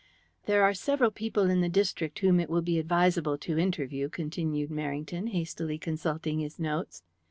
"There are several people in the district whom it will be advisable to interview," continued Merrington, hastily consulting his notes.